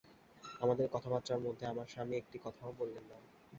আমাদের এই কথাবার্তার মধ্যে আমার স্বামী একটি কথাও বললেন না।